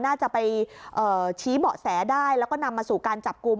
น่าจะไปชี้เบาะแสได้แล้วก็นำมาสู่การจับกลุ่ม